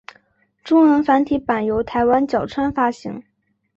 中文繁体版由台湾角川发行。